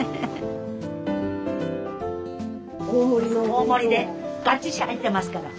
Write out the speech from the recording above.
大盛りでがっちし入ってますから。